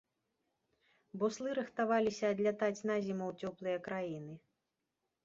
Буслы рыхтаваліся адлятаць на зіму ў цёплыя краіны.